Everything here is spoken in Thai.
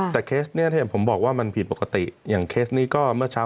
แต่เคสนี้ที่ผมบอกว่ามันผิดปกติอย่างเคสนี้ก็เมื่อเช้า